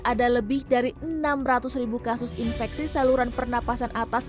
ada lebih dari enam ratus ribu kasus infeksi saluran pernapasan atas